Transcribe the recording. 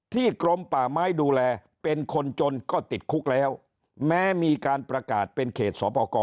กรมป่าไม้ดูแลเป็นคนจนก็ติดคุกแล้วแม้มีการประกาศเป็นเขตสอบประกอบ